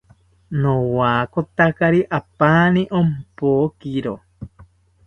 Nowakotakiri apani ompokiro